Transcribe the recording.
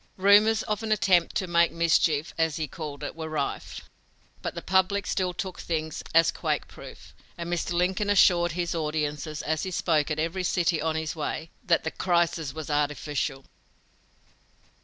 Rumors of an attempt to make mischief, as he called it, were rife. But the public still took things as quake proof, and Mr. Lincoln assured his audiences, as he spoke at every city on his way, that "the crisis was artificial."